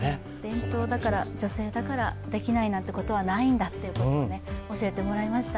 伝統だから、女性だからできないっていうことはないんだということを教えてもらいました。